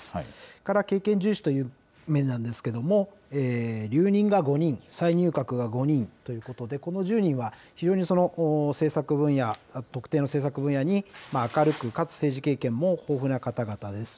それから経験重視という面なんですけども、留任が５人、再入閣が５人ということで、この１０人は非常に政策分野、特定の政策分野に明るく、かつ政治経験も豊富な方々です。